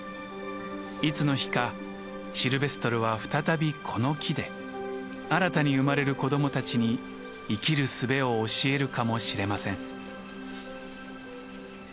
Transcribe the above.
いつの日かシルベストルは再びこの木で新たに生まれる子どもたちに生きる術を教えるかもしれません。